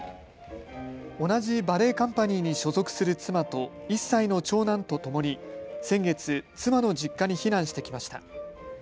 同じバレエカンパニーに所属する妻と１歳の長男とともに先月、妻の実家に避難してきました。